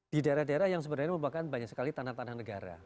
di daerah daerah yang sebenarnya merupakan banyak sekali tanah tanah negara